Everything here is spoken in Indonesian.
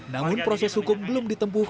namun proses hukum belum ditempuh